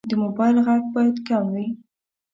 د موبایل غږ باید کم وي.